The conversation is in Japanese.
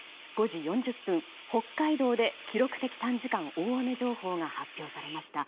５時４０分、北海道で記録的短時間大雨情報が発表されました。